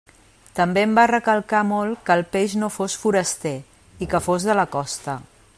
També em va recalcar molt que el peix no fos foraster i que fos de la costa.